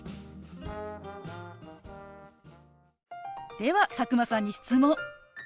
では佐久間さんに質問。